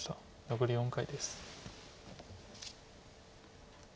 残り４回です。